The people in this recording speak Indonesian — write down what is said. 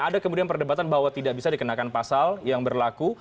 ada kemudian perdebatan bahwa tidak bisa dikenakan pasal yang berlaku